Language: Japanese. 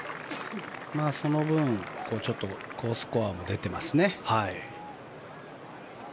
その分、ちょっと好スコアも出ていますね。